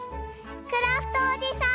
クラフトおじさん！